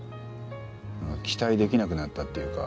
期待できなくなったっていうか。